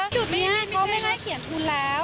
จุดนี้เขาไม่ให้เขียนทุนแล้ว